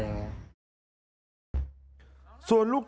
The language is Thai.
ลองฟังดูครับ